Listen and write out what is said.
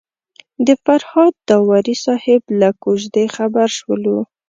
د فرهاد داوري صاحب له کوژدې خبر شولو.